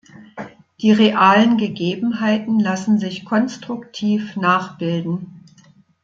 Die realen Gegebenheiten lassen sich konstruktiv nachbilden.